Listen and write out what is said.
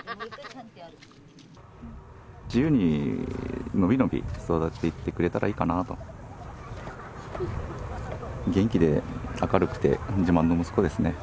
自由にのびのび育っていってくれたらいいかなと元気で明るくて自慢の息子ですね